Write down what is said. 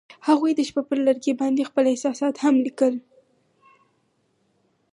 هغوی د شپه پر لرګي باندې خپل احساسات هم لیکل.